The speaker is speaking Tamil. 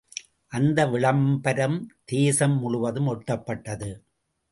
அந்த விளம்பரம் தேசம் முழுவதும் ஒட்டப்பட்டது.